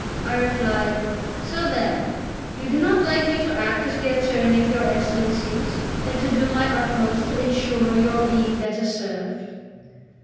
I replied: "So, then, you do not like me to act as the attorney of your Excellencies, and to do my utmost to ensure your being better served?